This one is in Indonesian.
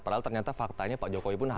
padahal ternyata faktanya pak jokowi pun harus